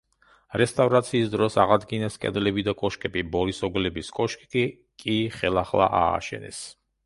რესტავრაციის დროს აღადგინეს კედლები და კოშკები, ბორისოგლების კოშკი კი ხელახლა ააშენეს.